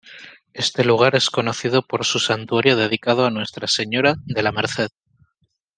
Este lugar es conocido por su santuario dedicado a Nuestra Señora de la Merced.